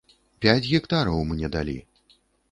Пяць гектараў мне далі.